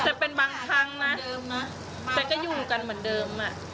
แต่เป็นบางครั้งนะแต่ก็อยู่กันเหมือนเดิม